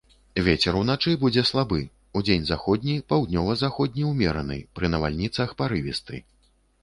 Вецер уначы будзе слабы, удзень заходні, паўднёва-заходні, умераны, пры навальніцах парывісты.